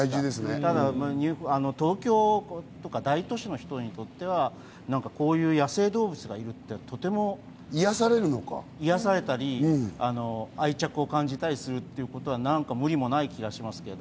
ただ東京や大都市の人にとってはこういう野生動物がいるっていうのは、癒やされたり愛着を感じたりするということは無理もない感じがしますけど。